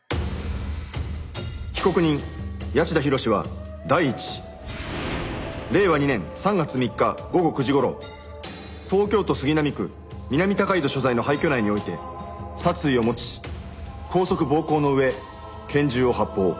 被告人谷内田浩司は第一令和２年３月３日午後９時頃東京都杉並区南高井戸所在の廃虚内において殺意を持ち拘束暴行の上拳銃を発砲。